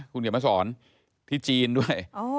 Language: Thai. คุณเขียนมาสอนที่จีนด้วย